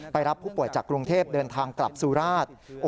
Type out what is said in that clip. รับผู้ป่วยจากกรุงเทพเดินทางกลับสุราช